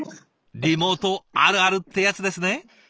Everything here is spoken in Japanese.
リモートあるあるってやつですね。